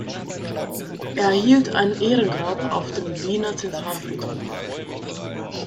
Er erhielt ein Ehrengrab auf dem Wiener Zentralfriedhof.